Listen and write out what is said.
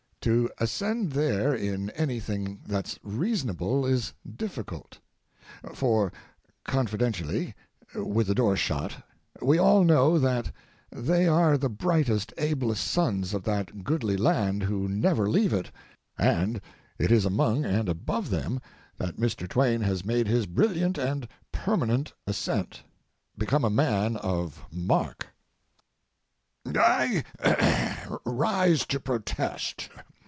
To ascend there in any thing that's reasonable is difficult; for confidentially, with the door shut we all know that they are the brightest, ablest sons of that goodly land who never leave it, and it is among and above them that Mr. Twain has made his brilliant and permanent ascent become a man of mark." I rise to protest.